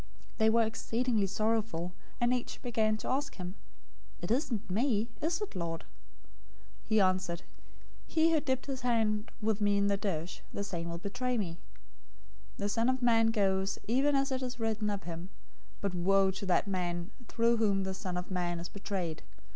026:022 They were exceedingly sorrowful, and each began to ask him, "It isn't me, is it, Lord?" 026:023 He answered, "He who dipped his hand with me in the dish, the same will betray me. 026:024 The Son of Man goes, even as it is written of him, but woe to that man through whom the Son of Man is betrayed!